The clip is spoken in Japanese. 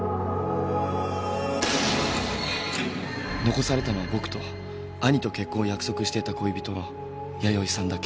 残されたのは僕と兄と結婚を約束していた恋人の弥生さんだけ。